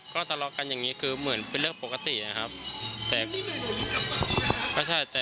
ก็ทะเลาะกันอย่างนี้คือเหมือนเป็นเรื่องปกตินะครับแต่ก็ใช่แต่